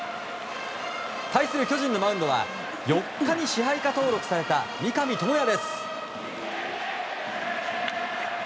対する巨人のマウンドは４日に支配下登録された三上朋也です。